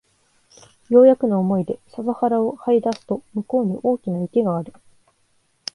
ようやくの思いで笹原を這い出すと向こうに大きな池がある